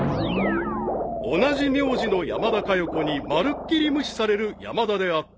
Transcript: ［同じ名字の山田かよ子にまるっきり無視される山田であった］